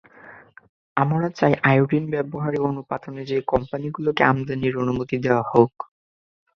আমরা চাই আয়োডিন ব্যবহারের অনুপাত অনুযায়ী কোম্পানিগুলোকে আমদানির অনুমতি দেওয়া হোক।